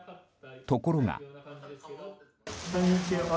ところが。